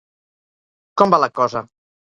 Com va la cosa?